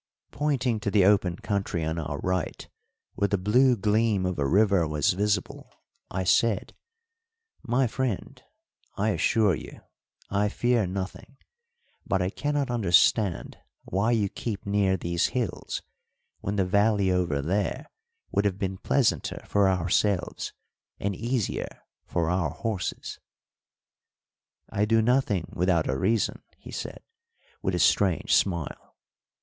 Pointing to the open country on our right, where the blue gleam of a river was visible, I said: "My friend, I assure you, I fear nothing, but I cannot understand why you keep near these hills when the valley over there would have been pleasanter for ourselves, and easier for our horses." "I do nothing without a reason," he said, with a strange smile.